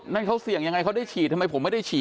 นั่นเขาเสี่ยงยังไงเขาได้ฉีดทำไมผมไม่ได้ฉีด